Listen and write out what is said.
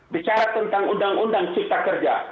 bicara tentang undang undang cipta kerja